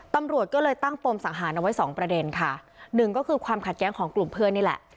ตำรวจก็เลยตั้งปมสังหารเอาไว้สองประเด็นค่ะหนึ่งก็คือความขัดแย้งของกลุ่มเพื่อนนี่แหละ